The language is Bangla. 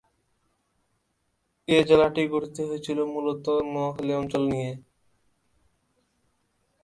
এ জেলাটি গঠিত হয়েছিল মূলতঃ নোয়াখালী অঞ্চল নিয়ে।